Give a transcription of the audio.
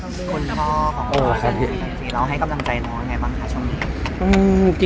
คนพ่อของโอ้ยแล้วให้กำลังใจน้องยังไงบ้างคะ